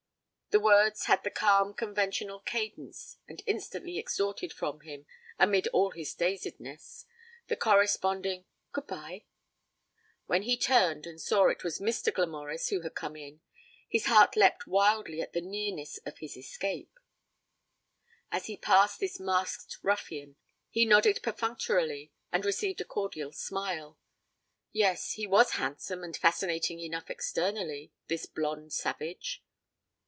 The words had the calm conventional cadence, and instantly extorted from him amid all his dazedness the corresponding 'Goodbye'. When he turned and saw it was Mr. Glamorys who had come in, his heart leapt wildly at the nearness of his escape. As he passed this masked ruffian, he nodded perfunctorily and received a cordial smile. Yes, he was handsome and fascinating enough externally, this blonde savage.